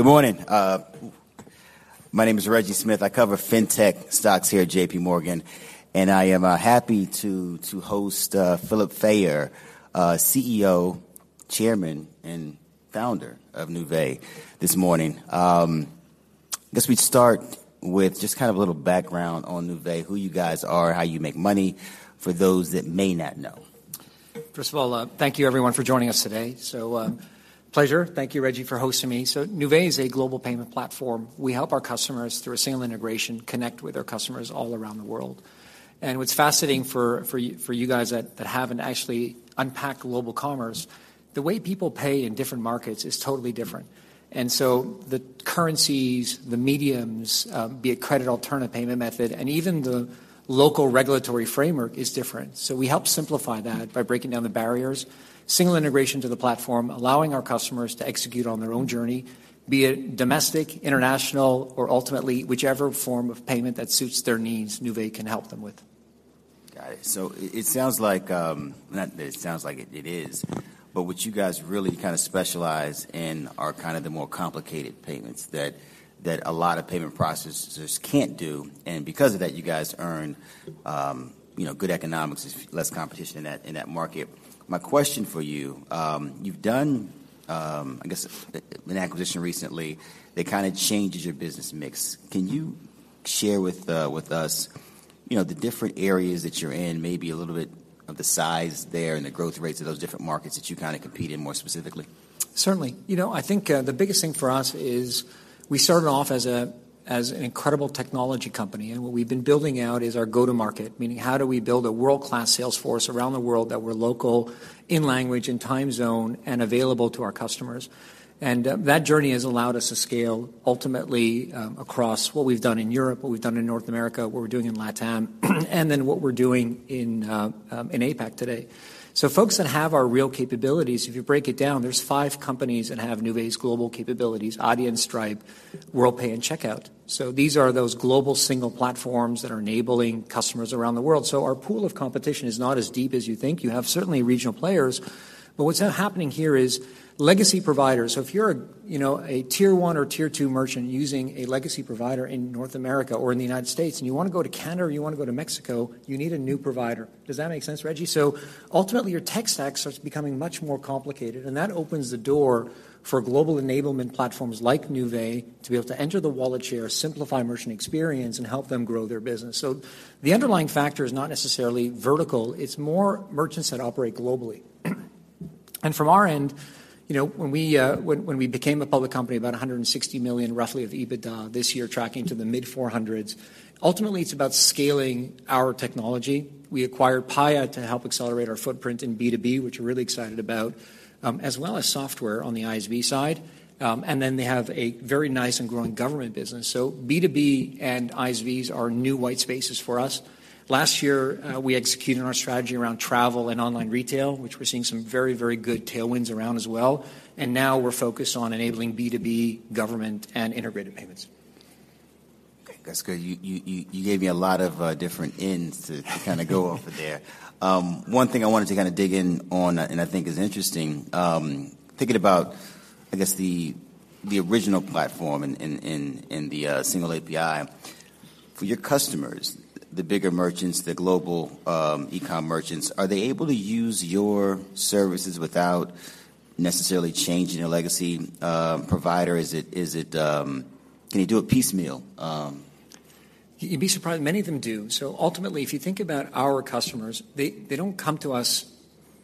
Good morning. My name is Reggie Smith. I cover fintech stocks here at JPMorgan, and I am happy to host Philip Fayer, CEO, Chairman, and Founder of Nuvei this morning. Guess we start with just kind of a little background on Nuvei, who you guys are, how you make money, for those that may not know. First of all, thank you everyone for joining us today. Pleasure. Thank you, Reggie, for hosting me. Nuvei is a global payment platform. We help our customers, through a single integration, connect with our customers all around the world. What's fascinating for you guys that haven't actually unpacked global commerce, the way people pay in different markets is totally different. The currencies, the mediums, be it credit, alternate payment method, and even the local regulatory framework is different. We help simplify that by breaking down the barriers, single integration to the platform, allowing our customers to execute on their own journey, be it domestic, international, or ultimately whichever form of payment that suits their needs, Nuvei can help them with. Got it. It sounds like, Not that it sounds like, it is, but what you guys really kinda specialize in are kinda the more complicated payments that a lot of payment processors can't do, and because of that, you guys earn, you know, good economics, less competition in that, in that market. My question for you've done, I guess, an acquisition recently that kinda changes your business mix. Can you share with us, you know, the different areas that you're in, maybe a little bit of the size there and the growth rates of those different markets that you kinda compete in more specifically? Certainly. You know, I think the biggest thing for us is we started off as a, as an incredible technology company, and what we've been building out is our go-to-market, meaning how do we build a world-class sales force around the world that we're local in language and time zone and available to our customers? That journey has allowed us to scale ultimately across what we've done in Europe, what we've done in North America, what we're doing in LATAM, and then what we're doing in APAC today. Folks that have our real capabilities, if you break it down, there's five companies that have Nuvei's global capabilities: Adyen, Stripe, Worldpay, and Checkout.com. These are those global single platforms that are enabling customers around the world. Our pool of competition is not as deep as you think. You have certainly regional players, but what's happening here is legacy providers. If you're, you know, a tier one or tier two merchant using a legacy provider in North America or in the United States and you wanna go to Canada or you wanna go to Mexico, you need a new provider. Does that make sense, Reggie? Ultimately, your tech stack starts becoming much more complicated, and that opens the door for global enablement platforms like Nuvei to be able to enter the wallet share, simplify merchant experience, and help them grow their business. The underlying factor is not necessarily vertical. It's more merchants that operate globally. From our end, you know, when we became a public company, about $160 million roughly of EBITDA this year tracking to the mid-$400s. Ultimately, it's about scaling our technology. We acquired Paya to help accelerate our footprint in B2B, which we're really excited about, as well as software on the ISV side. They have a very nice and growing government business. B2B and ISVs are new white spaces for us. Last year, we executed our strategy around travel and online retail, which we're seeing some very, very good tailwinds around as well. We're focused on enabling B2B, government, and integrated payments. That's good. You gave me a lot of different ends to kinda go over there. One thing I wanted to kinda dig in on, and I think is interesting, thinking about, I guess, the original platform and the single API. For your customers, the bigger merchants, the global e-com merchants, are they able to use your services without necessarily changing a legacy provider? Is it... Can you do it piecemeal? You'd be surprised. Many of them do. Ultimately, if you think about our customers, they don't come to us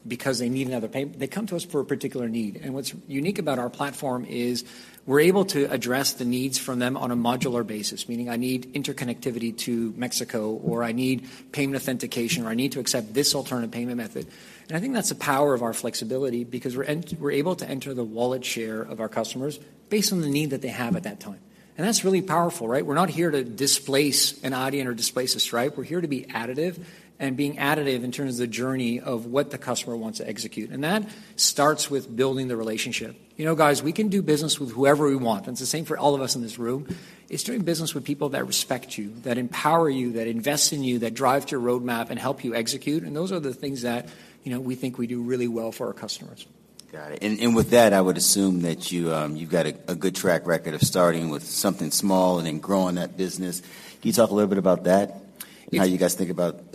because they need another. They come to us for a particular need, and what's unique about our platform is we're able to address the needs from them on a modular basis, meaning I need interconnectivity to Mexico or I need payment authentication or I need to accept this alternate payment method. I think that's the power of our flexibility because we're able to enter the wallet share of our customers based on the need that they have at that time. That's really powerful, right? We're not here to displace an Adyen or displace a Stripe. We're here to be additive. Being additive in terms of the journey of what the customer wants to execute. That starts with building the relationship. You know, guys, we can do business with whoever we want. It's the same for all of us in this room. It's doing business with people that respect you, that empower you, that invest in you, that drive to your roadmap and help you execute, and those are the things that, you know, we think we do really well for our customers. Got it. With that, I would assume that you've got a good track record of starting with something small and then growing that business. Can you talk a little bit about that? Yeah. How you guys think about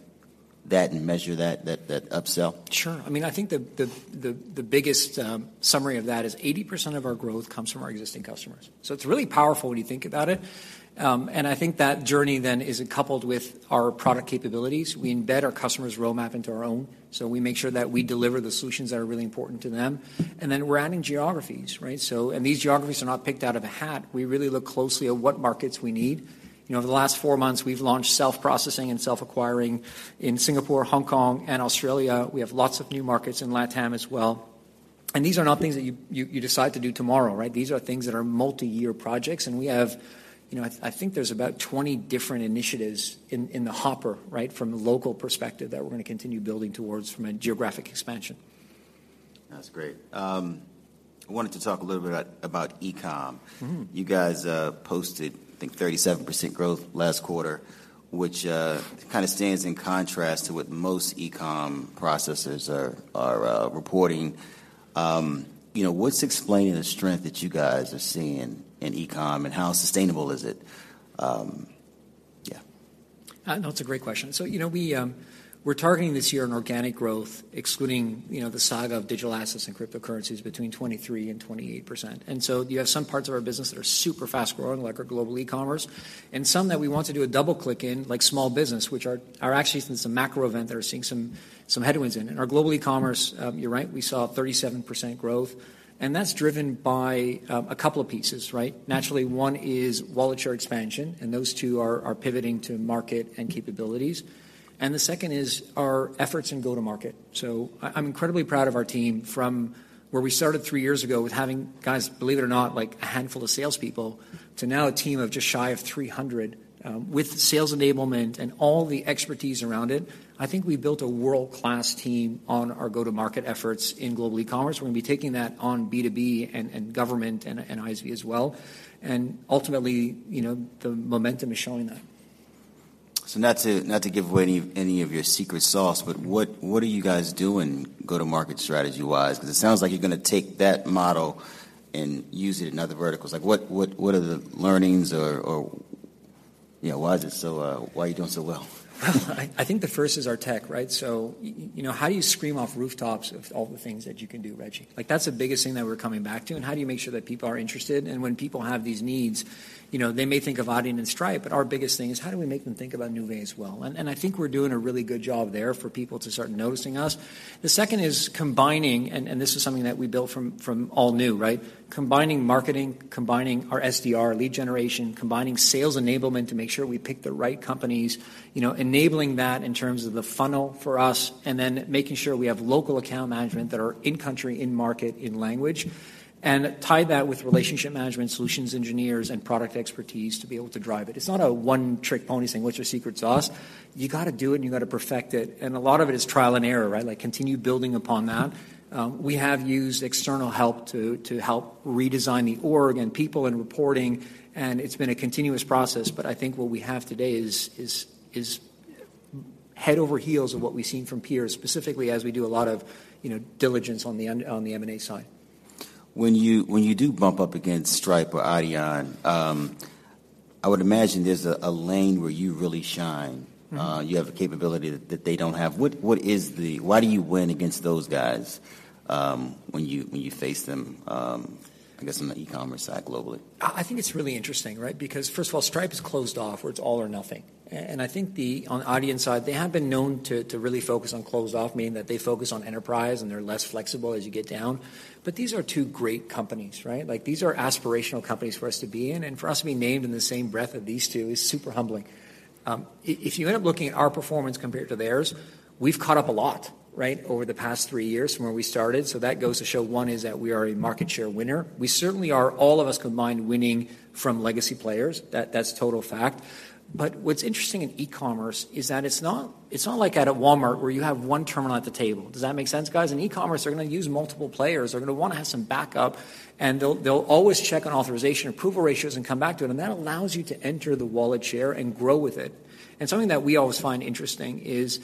that and measure that upsell? Sure. I mean, I think the biggest summary of that is 80% of our growth comes from our existing customers. It's really powerful when you think about it, and I think that journey then is coupled with our product capabilities. We embed our customer's roadmap into our own, so we make sure that we deliver the solutions that are really important to them. Then we're adding geographies, right? These geographies are not picked out of a hat. We really look closely at what markets we need. You know, over the last 4 months, we've launched self-processing and self-acquiring in Singapore, Hong Kong, and Australia. We have lots of new markets in LATAM as well. These are not things that you decide to do tomorrow, right? These are things that are multi-year projects. We have, you know, I think there's about 20 different initiatives in the hopper, right, from the local perspective that we're gonna continue building towards from a geographic expansion. That's great. I wanted to talk a little bit about e-com. Mm-hmm. You guys, posted, I think, 37% growth last quarter, which, kinda stands in contrast to what most e-com processors are reporting. You know, what's explaining the strength that you guys are seeing in e-com, and how sustainable is it? Yeah. No, it's a great question. You know, we're targeting this year an organic growth excluding, you know, the saga of digital assets and cryptocurrencies between 23% and 28%. You have some parts of our business that are super fast-growing, like our global e-commerce, and some that we want to do a double-click in, like small business, which are actually seeing some macro event that are seeing some headwinds in. In our global e-commerce, you're right, we saw 37% growth, and that's driven by a couple of pieces, right? Naturally, one is wallet share expansion, and those two are pivoting to market and capabilities. The second is our efforts in go-to-market. I'm incredibly proud of our team from where we started three years ago with having, guys, believe it or not, like, a handful of salespeople to now a team of just shy of 300, with sales enablement and all the expertise around it. I think we built a world-class team on our go-to-market efforts in global e-commerce. We're gonna be taking that on B2B and government and ISV as well. Ultimately, you know, the momentum is showing that. Not to give away any of your secret sauce, but what are you guys doing go-to-market strategy-wise? 'Cause it sounds like you're gonna take that model and use it in other verticals. Like what are the learnings or, you know, why is it so why are you doing so well? Well, I think the first is our tech, right? You know, how do you scream off rooftops of all the things that you can do, Reggie? Like, that's the biggest thing that we're coming back to, and how do you make sure that people are interested? When people have these needs, you know, they may think of Adyen and Stripe, but our biggest thing is how do we make them think about Nuvei as well? I think we're doing a really good job there for people to start noticing us. The second is combining, this is something that we built from all new, right? Combining marketing, combining our SDR lead generation, combining sales enablement to make sure we pick the right companies. You know, enabling that in terms of the funnel for us and then making sure we have local account management that are in country, in market, in language, and tie that with relationship management solutions engineers and product expertise to be able to drive it. It's not a one-trick pony saying, "What's your secret sauce?" You gotta do it, and you gotta perfect it, and a lot of it is trial and error, right? Like, continue building upon that. We have used external help to help redesign the org and people and reporting, and it's been a continuous process. I think what we have today is head over heels of what we've seen from peers, specifically as we do a lot of, you know, diligence on the M&A side. When you do bump up against Stripe or Adyen, I would imagine there's a lane where you really shine. Mm-hmm. You have a capability that they don't have. Why do you win against those guys, when you face them, I guess on the e-commerce side globally? I think it's really interesting, right? First of all, Stripe is closed off where it's all or nothing. I think, on Adyen's side, they have been known to really focus on closed off, meaning that they focus on enterprise, and they're less flexible as you get down. These are two great companies, right? Like, these are aspirational companies for us to be in, and for us to be named in the same breath of these two is super humbling. If you end up looking at our performance compared to theirs, we've caught up a lot, right, over the past 3 years from where we started, so that goes to show, one, is that we are a market share winner. We certainly are, all of us combined, winning from legacy players. That's total fact. What's interesting in e-commerce is that it's not, it's not like at a Walmart where you have one terminal at the table. Does that make sense, guys? In e-commerce, they're gonna use multiple players. They're gonna wanna have some backup, and they'll always check on authorization approval ratios and come back to it, and that allows you to enter the wallet share and grow with it. Something that we always find interesting is,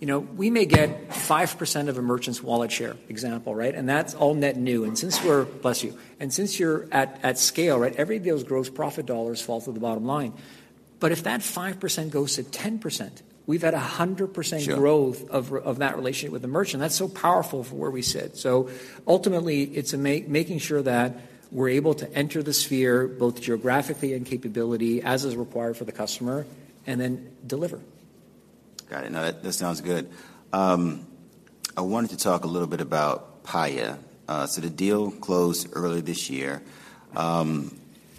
you know, we may get 5% of a merchant's wallet share, example, right? That's all net new, and since you're at scale, right, every of those gross profit dollars fall to the bottom line. If that 5% goes to 10%, we've had 100%... Sure growth of that relationship with the merchant. That's so powerful for where we sit. Ultimately, it's making sure that we're able to enter the sphere, both geographically and capability, as is required for the customer, and then deliver. Got it. No, that sounds good. I wanted to talk a little bit about Paya. The deal closed early this year.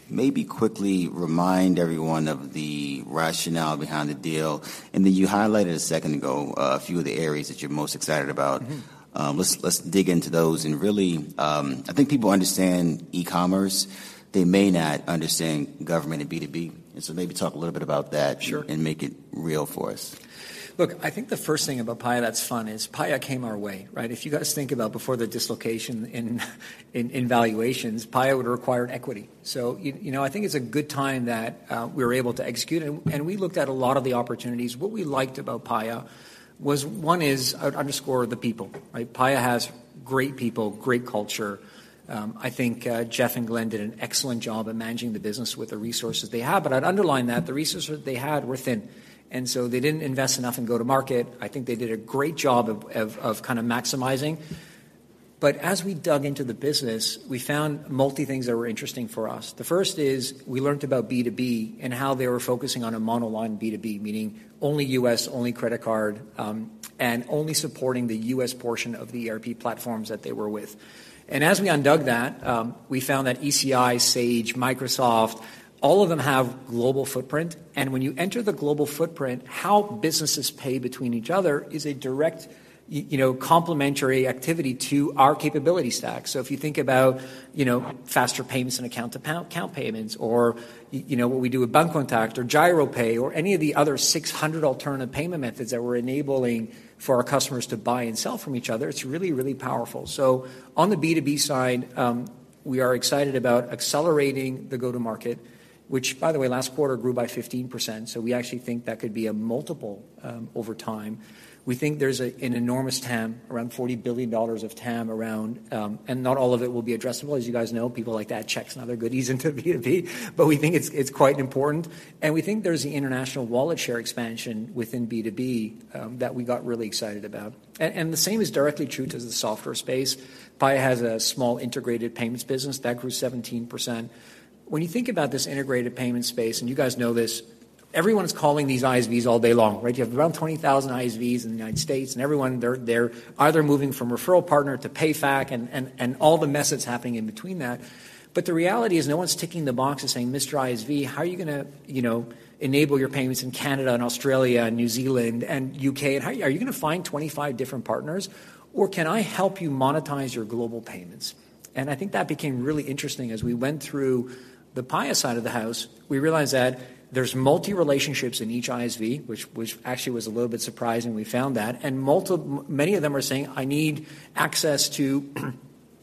Maybe quickly remind everyone of the rationale behind the deal, and then you highlighted a second ago a few of the areas that you're most excited about. Mm-hmm. Let's dig into those. Really, I think people understand e-commerce. They may not understand government and B2B, maybe talk a little bit about that. Sure... and make it real for us. Look, I think the first thing about Paya that's fun is Paya came our way, right? If you guys think about before the dislocation in, in valuations, Paya would require equity. You know, I think it's a good time that we were able to execute, and we looked at a lot of the opportunities. What we liked about Paya was, one is, I would underscore the people, right? Paya has great people, great culture. I think Jeff and Glenn did an excellent job at managing the business with the resources they have. I'd underline that the resources they had were thin, and so they didn't invest enough in go-to-market. I think they did a great job of kind of maximizing. As we dug into the business, we found multi things that were interesting for us. The first is we learned about B2B and how they were focusing on a monoline B2B, meaning only US, only credit card, and only supporting the US portion of the ERP platforms that they were with. As we undug that, we found that ECI, Sage, Microsoft, all of them have global footprint. When you enter the global footprint, how businesses pay between each other is a direct you know, complementary activity to our capability stack. If you think about, you know, faster payments and account-to-account payments or what we do with Bancontact or Giropay or any of the other 600 alternative payment methods that we're enabling for our customers to buy and sell from each other, it's really, really powerful. On the B2B side, we are excited about accelerating the go-to-market, which by the way, last quarter grew by 15%, so we actually think that could be a multiple over time. We think there's an enormous TAM, around $40 billion of TAM around. Not all of it will be addressable. As you guys know, people like to add checks and other goodies into B2B, but we think it's quite important. We think there's the international wallet share expansion within B2B that we got really excited about. The same is directly true to the software space. Paya has a small integrated payments business. That grew 17%. When you think about this integrated payment space, and you guys know this, everyone's calling these ISVs all day long, right? You have around 20,000 ISVs in the United States. Everyone, they're either moving from referral partner to PayFac and all the mess that's happening in between that. The reality is no one's ticking the box and saying, "Mr. ISV, how are you gonna, you know, enable your payments in Canada and Australia and New Zealand and U.K.? How are you gonna find 25 different partners, or can I help you monetize your global payments?" I think that became really interesting. As we went through the Paya side of the house, we realized that there's multi relationships in each ISV, which actually was a little bit surprising we found that. Many of them are saying, "I need access to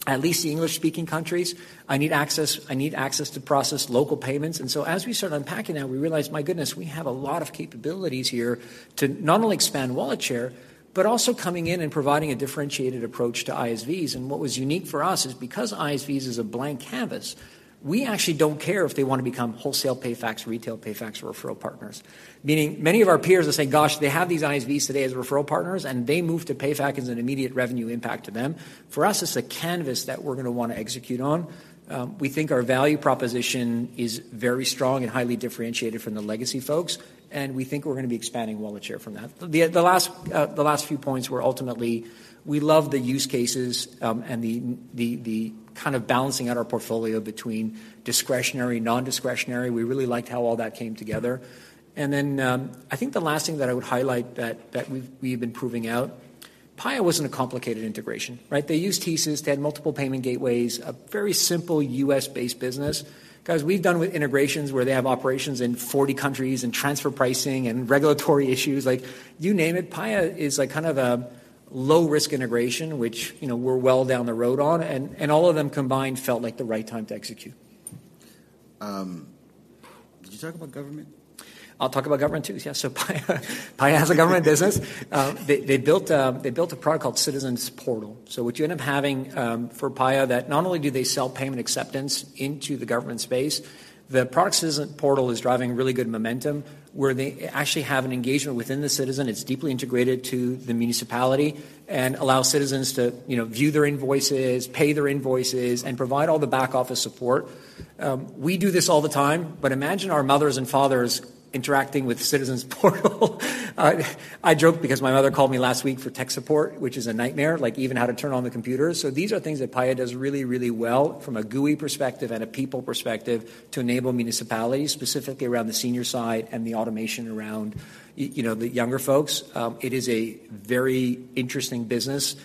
at least the English-speaking countries. I need access, I need access to process local payments." As we started unpacking that, we realized, my goodness, we have a lot of capabilities here to not only expand wallet share, but also coming in and providing a differentiated approach to ISVs. What was unique for us is because ISVs is a blank canvas, we actually don't care if they wanna become wholesale PayFacs, retail PayFacs, or referral partners. Meaning many of our peers are saying, gosh, they have these ISVs today as referral partners, and they move to PayFac as an immediate revenue impact to them. For us, it's a canvas that we're gonna wanna execute on. We think our value proposition is very strong and highly differentiated from the legacy folks, and we think we're gonna be expanding wallet share from that. The last few points were ultimately we love the use cases, and the kind of balancing out our portfolio between discretionary, non-discretionary. We really liked how all that came together. I think the last thing that I would highlight that we've been proving out, Paya wasn't a complicated integration, right? They used TSYS. They had multiple payment gateways, a very simple U.S.-based business. Guys, we've done with integrations where they have operations in 40 countries and transfer pricing and regulatory issues, like you name it. Paya is like kind of a low-risk integration, which, you know, we're well down the road on and all of them combined felt like the right time to execute. Did you talk about government? I'll talk about government too. Yeah. Paya has a government business. They built a product called Citizens Portal. What you end up having for Paya that not only do they sell payment acceptance into the government space, the Citizens Portal is driving really good momentum where they actually have an engagement within the citizen. It's deeply integrated to the municipality and allows citizens to, you know, view their invoices, pay their invoices, and provide all the back office support. Imagine our mothers and fathers interacting with Citizens Portal. I joke because my mother called me last week for tech support, which is a nightmare, like even how to turn on the computer. These are things that Paya does really, really well from a GUI perspective and a people perspective to enable municipalities, specifically around the senior side and the automation around you know, the younger folks. It is a very interesting business.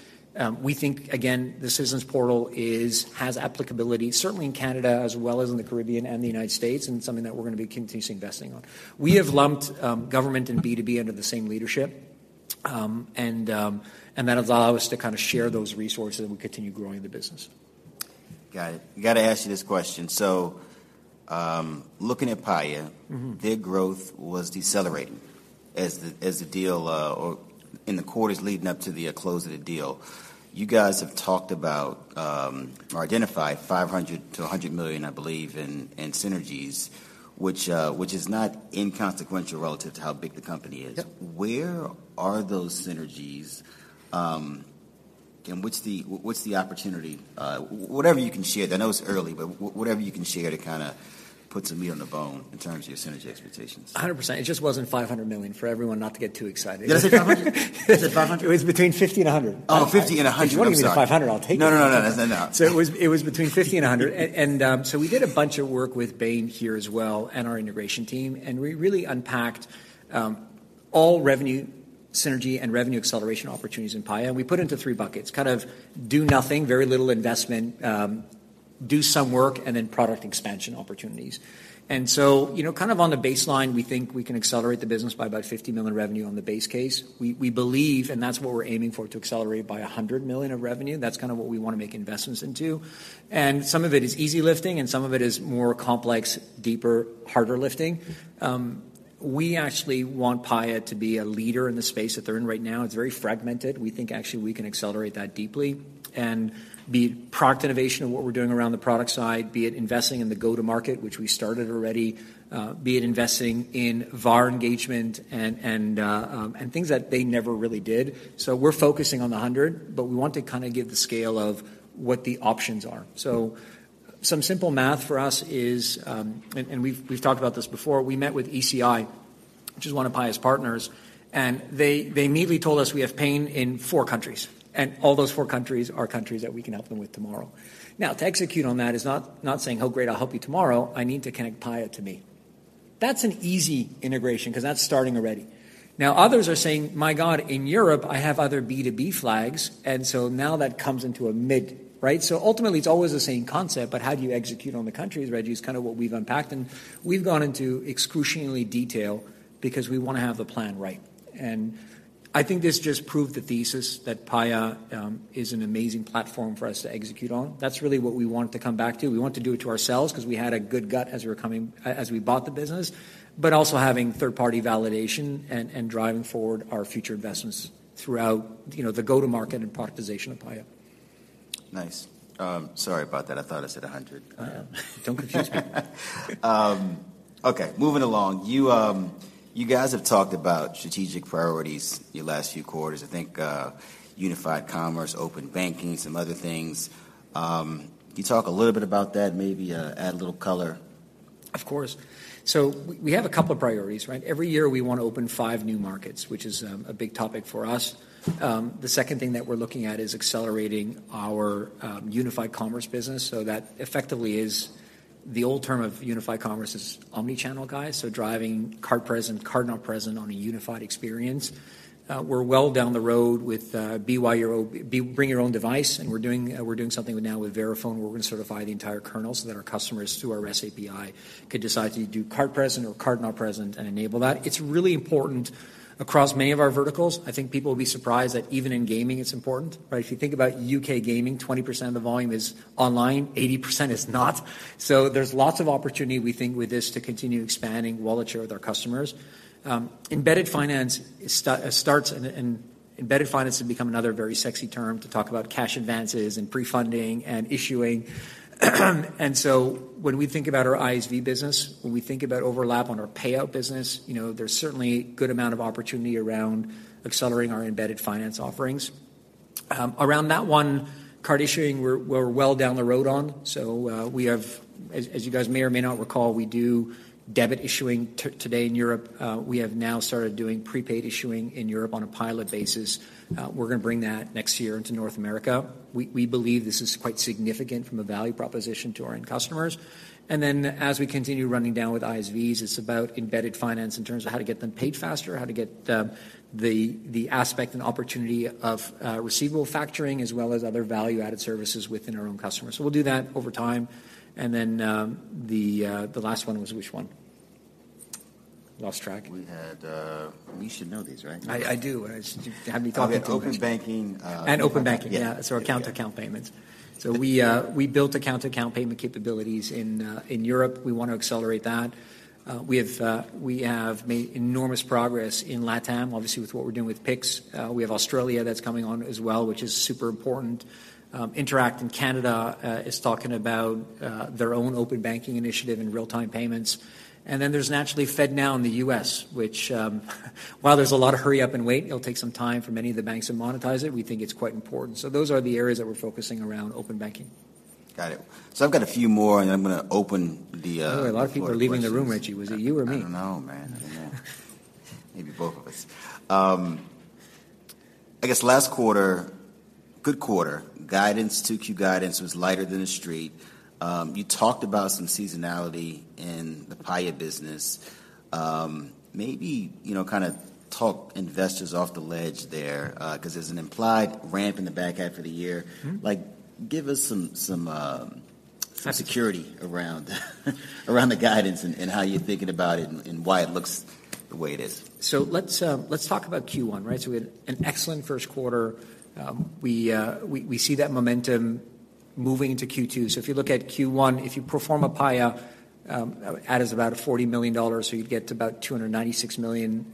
We think, again, the Citizens Portal has applicability certainly in Canada as well as in the Caribbean and the United States, and something that we're gonna be continuously investing on. We have lumped government and B2B under the same leadership. And that allows us to kinda share those resources and we continue growing the business. Got it. I gotta ask you this question. Looking at Paya. Mm-hmm their growth was decelerating as the deal or in the quarters leading up to the close of the deal. You guys have talked about or identified $500 million-$100 million, I believe, in synergies, which is not inconsequential relative to how big the company is. Yep. Where are those synergies, and what's the, what's the opportunity? Whatever you can share. I know it's early, but whatever you can share to kind of put some meat on the bone in terms of your synergy expectations. 100%. It just wasn't $500 million for everyone not to get too excited. Did I say $500? Did I say $500? It was between $50 and $100. Oh, 50 and 100. I'm sorry. If you wanna give me the $500, I'll take it. No, no, no. That's a no. It was between $50 and $100. We did a bunch of work with Bain here as well and our integration team, and we really unpacked all revenue synergy and revenue acceleration opportunities in Paya, and we put it into three buckets. Kind of do nothing, very little investment, do some work, and then product expansion opportunities. You know, kind of on the baseline, we think we can accelerate the business by about $50 million revenue on the base case. We believe, and that's what we're aiming for, to accelerate by $100 million of revenue. That's kinda what we wanna make investments into. Some of it is easy lifting, and some of it is more complex, deeper, harder lifting. We actually want Paya to be a leader in the space that they're in right now. It's very fragmented. We think actually we can accelerate that deeply and be product innovation of what we're doing around the product side, be it investing in the go-to-market, which we started already, be it investing in VAR engagement and things that they never really did. We're focusing on the 100, but we want to kinda give the scale of what the options are. Some simple math for us is, and we've talked about this before. We met with ECI, which is one of Paya's partners, and they immediately told us we have pain in four countries, and all those four countries are countries that we can help them with tomorrow. To execute on that is not saying, "Oh, great, I'll help you tomorrow." I need to connect Paya to me. That's an easy integration 'cause that's starting already. Now, others are saying, "My god, in Europe, I have other B2B flags." Now that comes into a mid, right? Ultimately, it's always the same concept, but how do you execute on the countries, Reggie, is kinda what we've unpacked, and we've gone into excruciatingly detail because we wanna have the plan right. I think this just proved the thesis that Paya is an amazing platform for us to execute on. That's really what we want to come back to. We want to do it to ourselves 'cause we had a good gut as we bought the business, but also having third-party validation and driving forward our future investments throughout, you know, the go-to-market and productization of Paya. Nice. Sorry about that. I thought I said 100. Oh, yeah. Don't confuse me. Okay, moving along. You guys have talked about strategic priorities your last few quarters. I think unified commerce, open banking, some other things. Can you talk a little bit about that, maybe add a little color? Of course. We have a couple priorities, right? Every year we wanna open five new markets, which is, a big topic for us. The second thing that we're looking at is accelerating our unified commerce business. That effectively is the old term of unified commerce is omnichannel, guys. Driving card present, card not present on a unified experience. We're well down the road with BYOD, bring your own device, and we're doing something now with Verifone where we're gonna certify the entire kernel so that our customers through our REST API can decide to do card present or card not present and enable that. It's really important across many of our verticals. I think people will be surprised that even in gaming it's important, right? If you think about U.K. gaming, 20% of the volume is online, 80% is not. There's lots of opportunity, we think, with this to continue expanding wallet share with our customers. Embedded finance starts and embedded finance has become another very sexy term to talk about cash advances and pre-funding and issuing. When we think about our ISV business, when we think about overlap on our payout business, you know, there's certainly good amount of opportunity around accelerating our embedded finance offerings. Around that one, card issuing we're well down the road on. We have as you guys may or may not recall, we do debit issuing today in Europe. We have now started doing prepaid issuing in Europe on a pilot basis. We're gonna bring that next year into North America. We believe this is quite significant from a value proposition to our end customers. As we continue running down with ISVs, it's about embedded finance in terms of how to get them paid faster, how to get the aspect and opportunity of receivable factoring as well as other value-added services within our own customers. We'll do that over time. The last one was which one? Lost track. We had, You should know these, right? I do. I just, you have me talking too much now. Okay, open banking. Open banking. Yeah. Yeah. Our account-to-account payments. We built account-to-account payment capabilities in Europe. We want to accelerate that. We have made enormous progress in LatAm, obviously with what we're doing with Pix. We have Australia that's coming on as well, which is super important. Interac in Canada is talking about their own open banking initiative and real-time payments. There's naturally FedNow in the U.S. which, while there's a lot of hurry up and wait, it'll take some time for many of the banks to monetize it, we think it's quite important. Those are the areas that we're focusing around open banking. Got it. I've got a few more and then I'm gonna open the floor to questions. Boy, a lot of people are leaving the room, Reggie. Was it you or me? I don't know, man. I don't know. Maybe both of us. I guess last quarter, good quarter. Guidance, 2Q guidance was lighter than the street. You talked about some seasonality in the Paya business. Maybe, you know, kinda talk investors off the ledge there, 'cause there's an implied ramp in the back half of the year. Mm-hmm. Like, give us some. Absolutely Security around the guidance and how you're thinking about it and why it looks the way it is. Let's talk about Q1, right? We had an excellent first quarter. We see that momentum moving into Q2. If you look at Q1, if you pro forma Paya, add as about $40 million, so you'd get to about $296 million.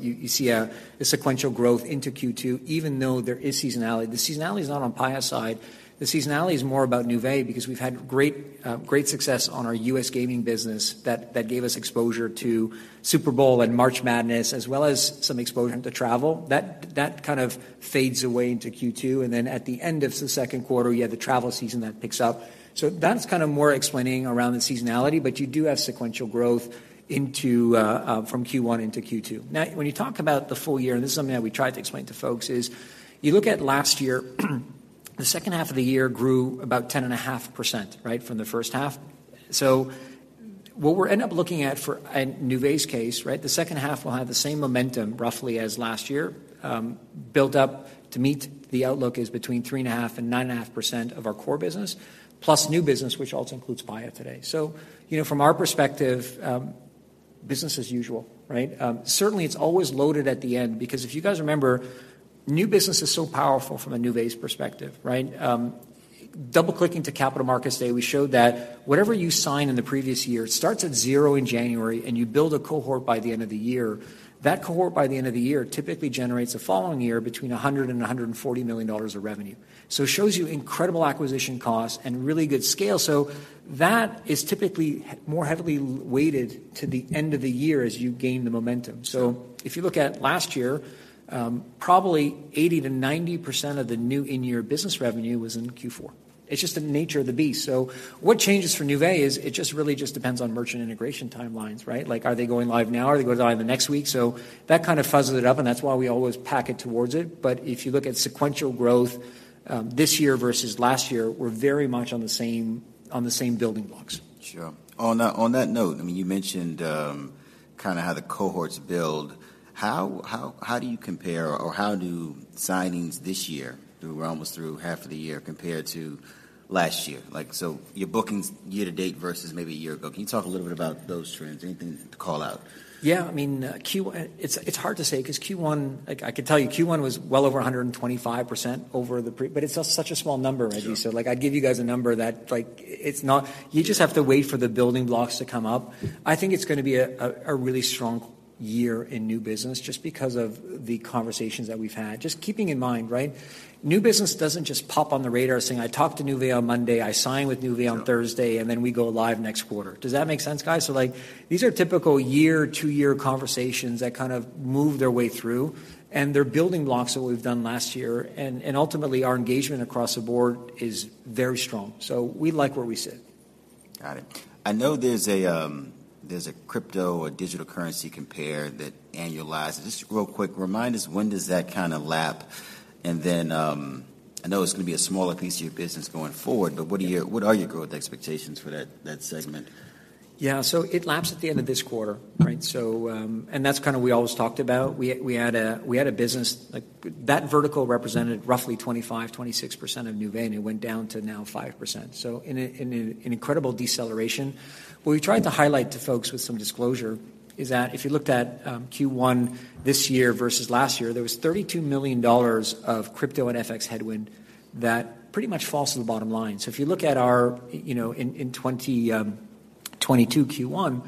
You see the sequential growth into Q2 even though there is seasonality. The seasonality is not on Paya side. The seasonality is more about Nuvei because we've had great success on our U.S. gaming business that gave us exposure to Super Bowl and March Madness, as well as some exposure to travel. That kind of fades away into Q2, and then at the end of second quarter, you have the travel season that picks up. That's kinda more explaining around the seasonality, but you do have sequential growth into from Q1 into Q2. When you talk about the full year, this is something that we tried to explain to folks, is you look at last year, the second half of the year grew about 10.5%, right, from the first half. What we're end up looking at for, in Nuvei's case, right, the second half will have the same momentum roughly as last year, built up to meet the outlook is between 3.5% and 9.5% of our core business, plus new business, which also includes Paya today. You know, from our perspective, business as usual, right? Certainly it's always loaded at the end because if you guys remember, new business is so powerful from a Nuvei's perspective, right? Double-clicking to Capital Markets Day, we showed that whatever you sign in the previous year starts at 0 in January, and you build a cohort by the end of the year. That cohort by the end of the year typically generates the following year between $100 million and $140 million of revenue. It shows you incredible acquisition costs and really good scale. That is typically more heavily weighted to the end of the year as you gain the momentum. If you look at last year, probably 80%-90% of the new in-year business revenue was in Q4. It's just the nature of the beast. What changes for Nuvei is it really just depends on merchant integration timelines, right? Like, are they going live now? Are they going live the next week? That kind of fuzzles it up, and that's why we always pack it towards it. If you look at sequential growth, this year versus last year, we're very much on the same building blocks. Sure. On that note, I mean, you mentioned kinda how the cohorts build. How do you compare or how do signings this year through, we're almost through half of the year, compare to last year? Your bookings year-to-date versus maybe a year ago. Can you talk a little bit about those trends? Anything to call out? Yeah. I mean, Q1. It's hard to say 'cause Q1. Like, I could tell you Q1 was well over 125% over the but it's such a small number, Reggie. Sure. Like, I give you guys a number that, like, it's not. You just have to wait for the building blocks to come up. I think it's gonna be a really strong year in new business just because of the conversations that we've had. Just keeping in mind, right, new business doesn't just pop on the radar saying, "I talked to Nuvei on Monday, I sign with Nuvei on Thursday. Yeah. And then we go live next quarter? Does that make sense, guys? Like, these are typical year, two-year conversations that kind of move their way through, and they're building blocks of what we've done last year. Ultimately, our engagement across the board is very strong. We like where we sit. Got it. I know there's a crypto or digital currency compare that annualize. Just real quick, remind us when does that kinda lap? I know it's gonna be a smaller piece of your business going forward, but what are your growth expectations for that segment? Yeah. It laps at the end of this quarter, right? That's kind of we always talked about. We had a business like that vertical represented roughly 25%-26% of Nuvei, and it went down to now 5%. In an incredible deceleration. What we tried to highlight to folks with some disclosure is that if you looked at Q1 this year versus last year, there was $32 million of crypto and FX headwind that pretty much falls to the bottom line. If you look at our, you know, in 2022 Q1,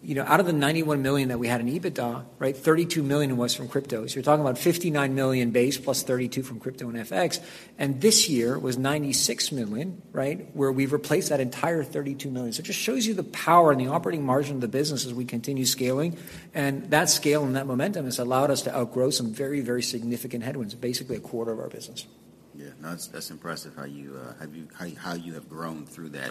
you know, out of the $91 million that we had in EBITDA, right? $32 million was from crypto. You're talking about $59 million base plus $32 from crypto and FX. This year was $96 million, right? Where we've replaced that entire $32 million. It just shows you the power and the operating margin of the business as we continue scaling. That scale and that momentum has allowed us to outgrow some very, very significant headwinds, basically a quarter of our business. Yeah. No, that's impressive how you have grown through that.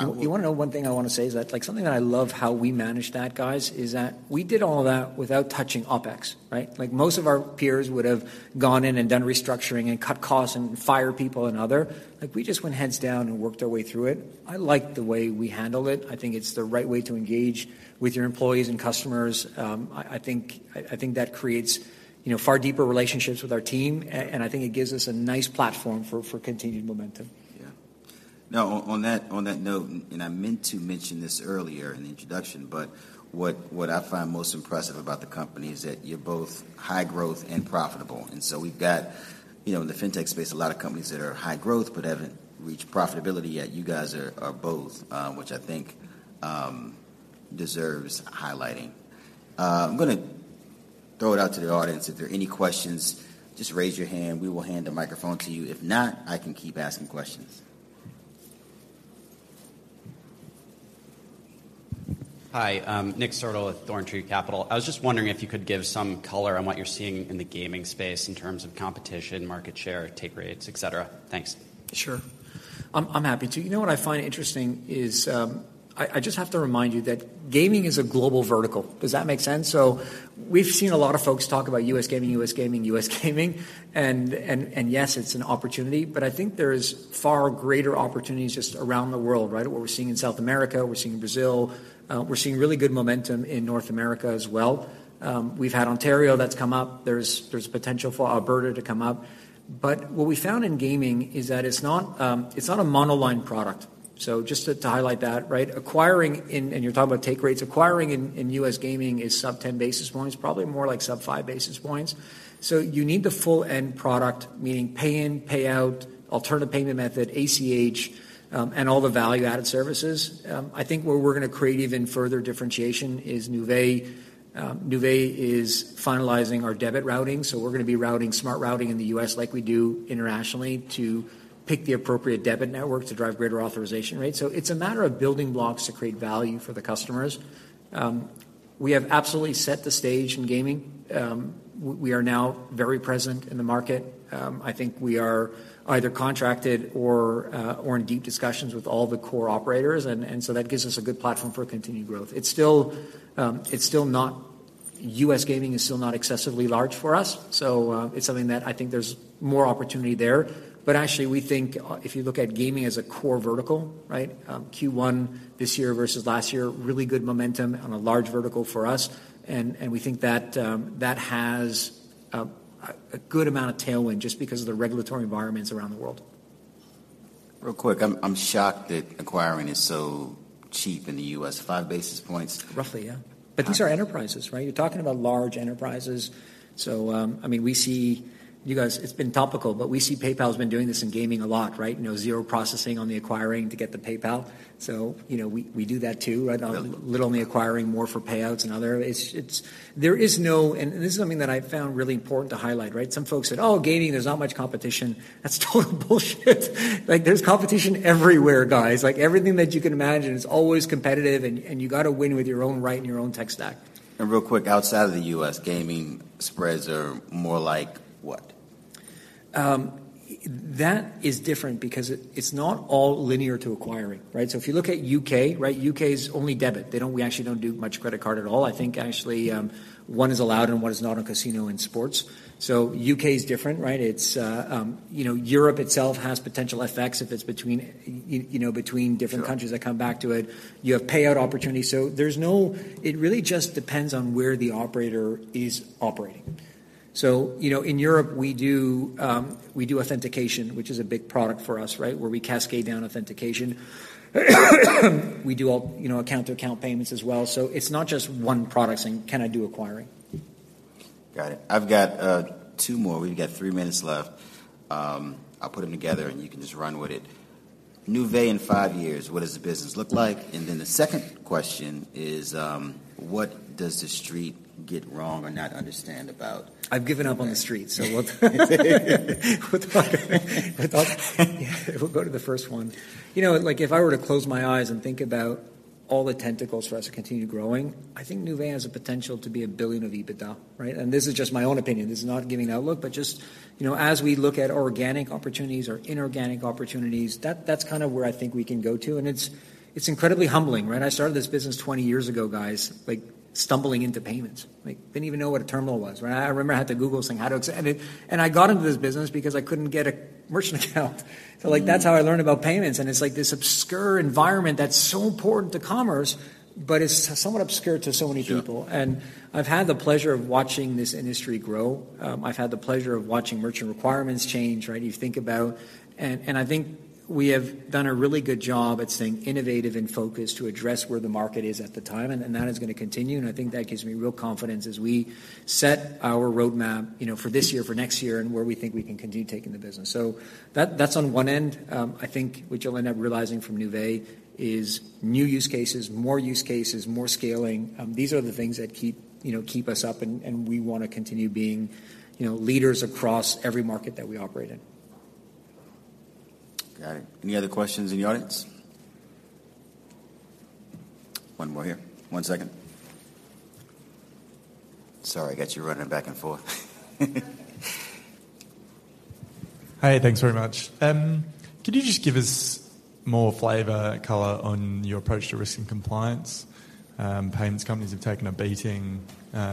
You wanna know one thing I wanna say is that, like, something that I love how we manage that, guys, is that we did all that without touching OpEx, right? Most of our peers would have gone in and done restructuring and cut costs and fire people. We just went heads down and worked our way through it. I like the way we handled it. I think it's the right way to engage with your employees and customers. I think that creates, you know, far deeper relationships with our team. I think it gives us a nice platform for continued momentum. Yeah. Now on that, on that note, I meant to mention this earlier in the introduction, What I find most impressive about the company is that you're both high growth and profitable. We've got, you know, in the fintech space, a lot of companies that are high growth but haven't reached profitability yet. You guys are both, which I think deserves highlighting. I'm gonna throw it out to the audience. If there are any questions, just raise your hand, we will hand the microphone to you. If not, I can keep asking questions. Hi. I'm Nick Sertl with ThornTree Capital Partners. I was just wondering if you could give some color on what you're seeing in the gaming space in terms of competition, market share, take rates, et cetera. Thanks. Sure. I'm happy to. You know what I find interesting is, I just have to remind you that gaming is a global vertical. Does that make sense? We've seen a lot of folks talk about US gaming, US gaming, US gaming. Yes, it's an opportunity, but I think there's far greater opportunities just around the world, right? What we're seeing in South America, we're seeing in Brazil, we're seeing really good momentum in North America as well. We've had Ontario that's come up. There's potential for Alberta to come up. What we found in gaming is that it's not, it's not a monoline product. Just to highlight that, right? Acquiring and you're talking about take rates. Acquiring in US gaming is sub-10 basis points, probably more like sub-5 basis points. You need the full end product, meaning pay in, pay out, alternative payment method, ACH, and all the value-added services. I think where we're gonna create even further differentiation is Nuvei. Nuvei is finalizing our debit routing. We're gonna be routing smart routing in the U.S. like we do internationally to pick the appropriate debit network to drive greater authorization rates. It's a matter of building blocks to create value for the customers. We have absolutely set the stage in gaming. We are now very present in the market. I think we are either contracted or in deep discussions with all the core operators and so that gives us a good platform for continued growth. U.S. gaming is still not excessively large for us. It's something that I think there's more opportunity there. Actually, we think, if you look at gaming as a core vertical, right? Q1 this year versus last year, really good momentum on a large vertical for us. We think that has a good amount of tailwind just because of the regulatory environments around the world. Real quick. I'm shocked that acquiring is so cheap in the U.S. five basis points. Roughly, yeah. How- These are enterprises, right? You're talking about large enterprises. I mean, we see you guys, it's been topical, but we see PayPal's been doing this in gaming a lot, right? You know, 0 processing on the acquiring to get the PayPal. You know, we do that too, right? Yeah. literally acquiring more for payouts and other. There is no, this is something that I found really important to highlight, right? Some folks said, "Oh, gaming, there's not much competition." That's total bullshit. Like, there's competition everywhere, guys. Like, everything that you can imagine is always competitive and you gotta win with your own right and your own tech stack. real quick, outside of the U.S., gaming spreads are more like what? That is different because it's not all linear to acquiring, right? If you look at U.K., right? U.K. is only debit. We actually don't do much credit card at all. I think actually, one is allowed and one is not on casino and sports. U.K. is different, right? It's, you know, Europe itself has potential FX if it's between, you know, between different. Sure Countries that come back to it. You have payout opportunities. It really just depends on where the operator is operating. You know, in Europe, we do authentication, which is a big product for us, right? Where we cascade down authentication. We do all, you know, account-to-account payments as well. It's not just one product saying, "Can I do acquiring? Got it. I've got two more. We've got three minutes left. I'll put them together, and you can just run with it. Nuvei in 5 years, what does the business look like? The second question is, what does the street get wrong or not understand about- I've given up on the street, so we'll talk about. We'll, yeah, we'll go to the first one. You know, like, if I were to close my eyes and think about all the tentacles for us to continue growing. I think Nuvei has the potential to be $1 billion of EBITDA, right? This is just my own opinion. This is not giving an outlook, but just, you know, as we look at organic opportunities or inorganic opportunities, that's kinda where I think we can go to. It's, it's incredibly humbling, right? I started this business 20 years ago, guys, like stumbling into payments. Like, didn't even know what a terminal was, right? I remember I had to Google this thing. I got into this business because I couldn't get a merchant account. Like that's how I learned about payments, and it's like this obscure environment that's so important to commerce, but it's somewhat obscure to so many people. Sure. I've had the pleasure of watching this industry grow. I've had the pleasure of watching merchant requirements change, right? I think we have done a really good job at staying innovative and focused to address where the market is at the time, and that is gonna continue. I think that gives me real confidence as we set our roadmap, you know, for this year, for next year, and where we think we can continue taking the business. That's on one end. I think what you'll end up realizing from Nuvei is new use cases, more use cases, more scaling. These are the things that keep, you know, keep us up, and we wanna continue being, you know, leaders across every market that we operate in. Got it. Any other questions in the audience? One more here. One second. Sorry, I got you running back and forth. Hi, thanks very much. Could you just give us more flavor and color on your approach to risk and compliance? Payments companies have taken a beating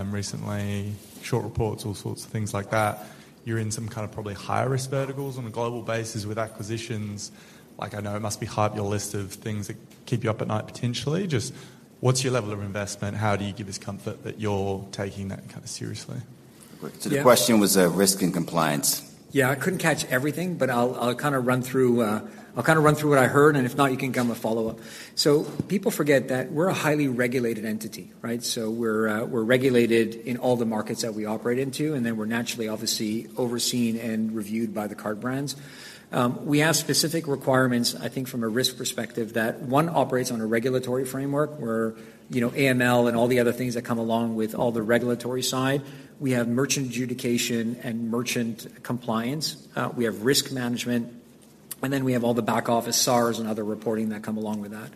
recently. Short reports, all sorts of things like that. You're in some kind of probably higher risk verticals on a global basis with acquisitions. Like, I know it must be high up your list of things that keep you up at night potentially. Just what's your level of investment? How do you give us comfort that you're taking that kind of seriously? The question was, risk and compliance. Yeah, I couldn't catch everything, but I'll kinda run through what I heard, and if not, you can give him a follow-up. People forget that we're a highly regulated entity, right? We're, we're regulated in all the markets that we operate into, and then we're naturally obviously overseen and reviewed by the card brands. We have specific requirements, I think, from a risk perspective, that one operates on a regulatory framework where, you know, AML and all the other things that come along with all the regulatory side. We have merchant adjudication and merchant compliance. We have risk management, and then we have all the back office SARs and other reporting that come along with that.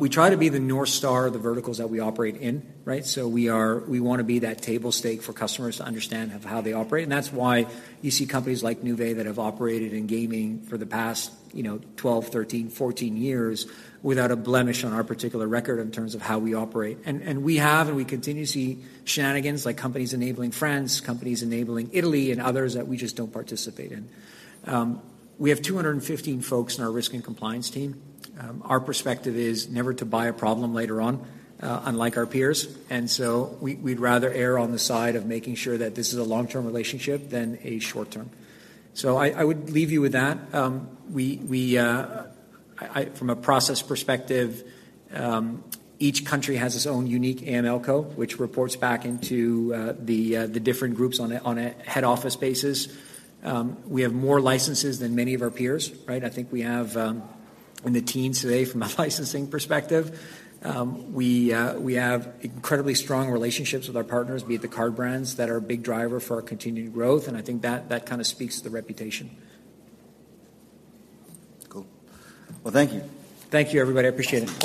We try to be the North Star of the verticals that we operate in, right? We wanna be that table stake for customers to understand of how they operate, and that's why you see companies like Nuvei that have operated in gaming for the past, you know, 12, 13, 14 years without a blemish on our particular record in terms of how we operate. We have and we continue to see shenanigans like companies enabling France, companies enabling Italy, and others that we just don't participate in. We have 215 folks in our risk and compliance team. Our perspective is never to buy a problem later on, unlike our peers. We'd rather err on the side of making sure that this is a long-term relationship than a short-term. I would leave you with that. We, from a process perspective, each country has its own unique AMLCo, which reports back into the different groups on a head office basis. We have more licenses than many of our peers, right? I think we have in the teens today from a licensing perspective. We have incredibly strong relationships with our partners, be it the card brands that are a big driver for our continued growth, and I think that kinda speaks to the reputation. Cool. Well, thank you. Thank you, everybody. I appreciate it.